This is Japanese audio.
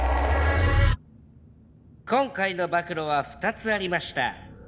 今回の暴露は２つありました。